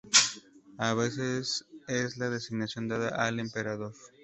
A veces es la designación dada al emperador.